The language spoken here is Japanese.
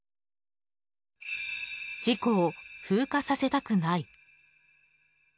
事故を風化させたくない。